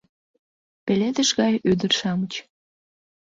Пеледыш гай ӱдыр-шамыч